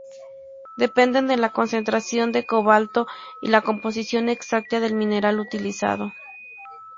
Dependen de la concentración de cobalto y la composición exacta del mineral utilizado.